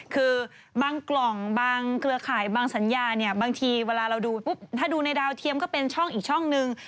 คือบางกล่องบางเครือข่ายบางสัญญาเนี่ยบางทีเวลาเราดูปุ๊บถ้าดูในดาวเทียมก็เป็นช่องอีกช่องนึง